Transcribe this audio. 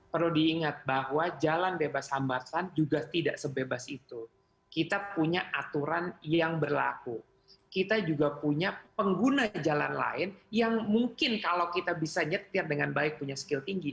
perlu diingat bahwa jalan bebas hambatan juga tidak sebebas itu kita punya aturan yang berlaku kita juga punya pengguna jalan lain yang mungkin kalau kita bisa nyetir dengan baik punya skill tinggi